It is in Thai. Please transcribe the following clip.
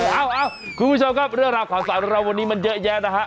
เอ้าคุณผู้ชมครับเรื่องราวข่าวสารเราวันนี้มันเยอะแยะนะฮะ